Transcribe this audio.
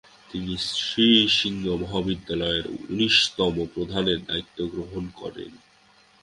তিনি শ্রী সিংহ মহাবিদ্যালয়ের উনিশতম প্রধানের দায়িতে গ্রহণ করেন।